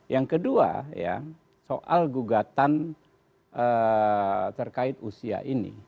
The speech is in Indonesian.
yang kedua ya soal gugatan terkait usia ini